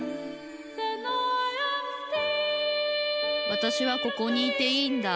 わたしはここにいていいんだ